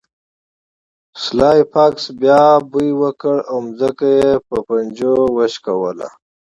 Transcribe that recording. سلای فاکس بیا بوی وکړ او ځمکه یې په پنجو وښکوله